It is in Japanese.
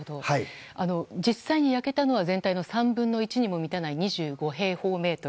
実際に焼けたのは３分の１にも満たない２５平方メートル。